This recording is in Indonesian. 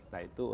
nah itu umkm